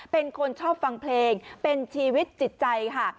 เป็นคนชอบฟังเพลงเป็นชีวิตจิตใจค่ะ